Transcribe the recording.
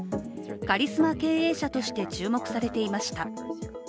カリスマ経営者として注目されていました。